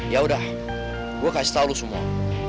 ya udah gue kasih tau semua